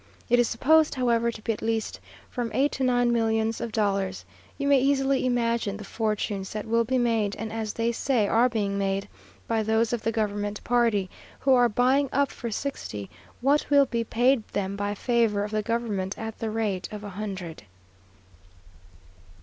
It is supposed, however, to be at least from eight to nine millions of dollars. You may easily imagine the fortunes that will be made (and as they say are being made) by those of the government party, who are buying up for sixty, what will be paid them by favour of the government at the rate of a hundred.